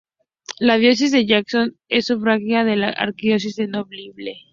La Diócesis de Jackson es sufragánea de la Arquidiócesis de Mobile.